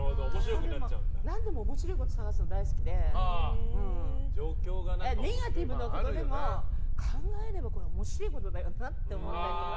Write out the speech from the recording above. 何でも面白いところ探すの大好きでネガティブなことでも考えれば、面白いことだよなって思ったりとか。